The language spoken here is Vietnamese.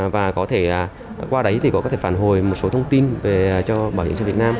và có thể qua đấy thì có thể phản hồi một số thông tin về cho bảo hiểm xã hội việt nam